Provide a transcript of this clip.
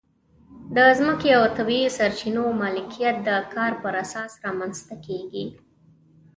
د ځمکې او طبیعي سرچینو مالکیت د کار پر اساس رامنځته کېږي.